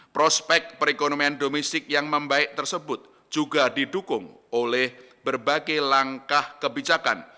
prospek perekonomian domestik yang membaik tersebut juga didukung oleh berbagai langkah kebijakan